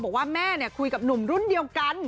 บอกว่าแม่คุยกับหนุ่มรุ่นเดียวกัน